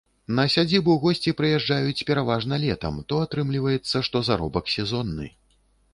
На сядзібу госці прыязджаюць пераважна летам, то атрымліваецца, што заробак сезонны.